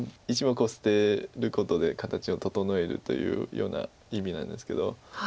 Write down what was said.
１目を捨てることで形を整えるというような意味なんですけど。